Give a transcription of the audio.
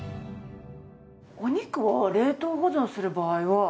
お肉を冷凍保存する場合は。